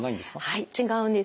はい違うんですね。